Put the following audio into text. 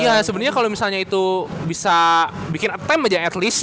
iya sebenarnya kalau misalnya itu bisa bikin attame aja at least